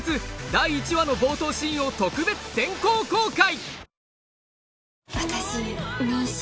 第１話の冒頭シーンを特別先行公開！